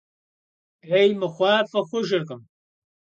'êy mıxhu f'ı xhujjırkhım.